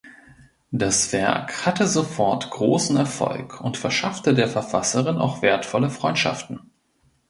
Das Werk hatte sofort großen Erfolg und verschaffte der Verfasserin auch wertvolle Freundschaften.